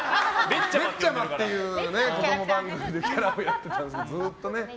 べっちゃまっていう子供番組でキャラでやってたので、ずっと。